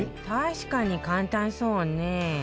確かに簡単そうね